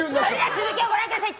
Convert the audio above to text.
続きをご覧ください。